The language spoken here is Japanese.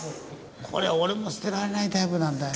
これ俺も捨てられないタイプなんだよね。